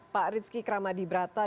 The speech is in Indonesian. pak rizky kramadibrata